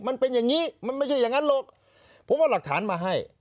มันเป็นอย่างนี้มันไม่ใช่อย่างนั้นหรอกผมเอาหลักฐานมาให้